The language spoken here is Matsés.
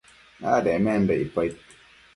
adecmenda icpaid